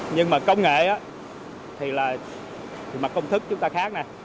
nhưng mà công nghệ thì là mặt công thức chúng ta khác